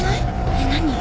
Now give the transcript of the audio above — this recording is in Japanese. えっ何？